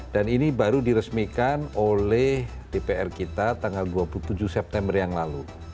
dan ini baru diresmikan oleh dpr kita tanggal dua puluh tujuh september yang lalu